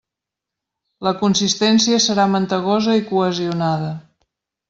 La consistència serà mantegosa i cohesionada.